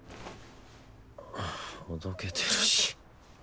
はあほどけてるし